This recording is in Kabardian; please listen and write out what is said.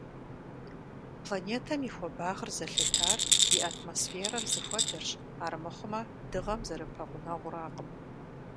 Планетэм и хуэбагъыр зэлъытар и атмосферэр зыхуэдэращ, армыхъумэ Дыгъэм зэрыпэгъунэгъуракъым.